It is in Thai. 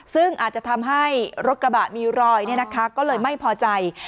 ซึ่งอาจจะทำให้รถกระบะมีรอยก็เลยไม่พอใจ